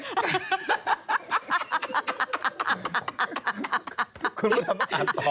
คุณผู้ชมต้องอ่านต่อ